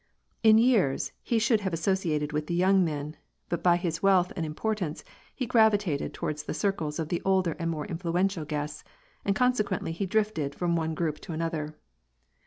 In years, he should have associated with the young men, t by his wealth and importance, he gravitated toward the fcles of the older and more influential guests, and conse ntly he drifted from one group to another.